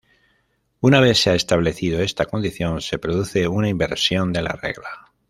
Una vez se ha establecido esta condición, se produce una inversión de la regla.